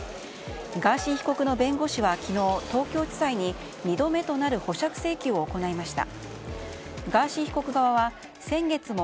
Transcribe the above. ガーシー被告の弁護士は昨日東京地裁に２度目となる保釈請求を行いました。